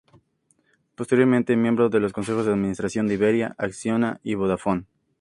Posteriormente, miembro de los consejos de administración de Iberia, Acciona y Vodafone.